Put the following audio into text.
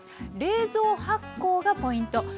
冷蔵発酵がポイント。